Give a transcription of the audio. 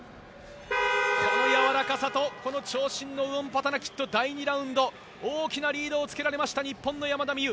このやわらかさと長身のウオンパタナキット第２ラウンド大きなリードをつけられました山田美諭。